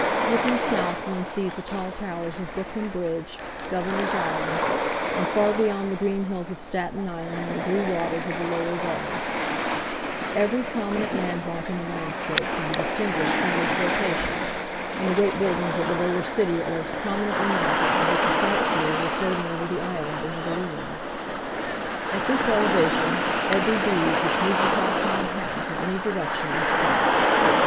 Looking south one sees the tall towers of Brooklyn Bridge, Governor's Island, and far beyond the green hills of Staten Island and the blue waters of the Lower Bay. Every prominent landmark in the landscape can be distinguished from this location, and the great buildings of the lower city are as prominently marked as if the sightseer were floating over the island in a balloon. At this elevation every breeze which moves across Manhattan from any direction is felt.